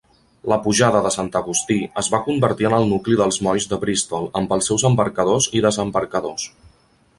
La pujada de Sant Agustí es va convertir en el nucli dels molls de Bristol amb els seus embarcadors i desembarcadors.